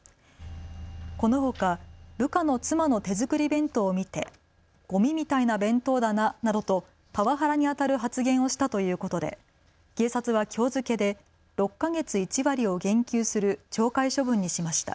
このほか部下の妻の手作り弁当を見てごみみたいな弁当だななどとパワハラにあたる発言をしたということで警察はきょう付けで６か月１割を減給する懲戒処分にしました。